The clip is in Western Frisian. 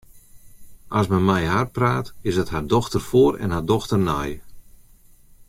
As men mei har praat, is it har dochter foar en har dochter nei.